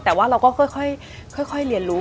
แต่ว่าเราก็ค่อยเรียนรู้